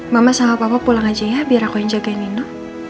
mama sama papa pulang aja ya biar aku yang jagain nino